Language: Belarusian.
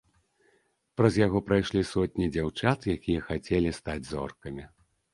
Праз яго прайшлі сотні дзяўчат, якія хацелі стаць зоркамі.